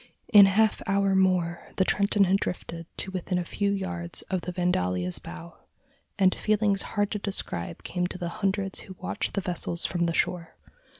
In a half hour more, the Trenton had drifted to within a few yards of the Vandalia's bow, and feelings hard to describe came to the hundreds who watched the vessels from the shore.